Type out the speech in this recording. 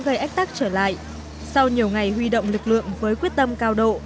gây ách tắc trở lại sau nhiều ngày huy động lực lượng với quyết tâm cao độ